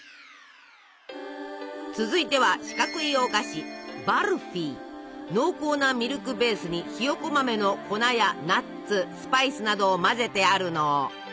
続いては四角いお菓子濃厚なミルクベースにひよこ豆の粉やナッツスパイスなどを混ぜてあるの。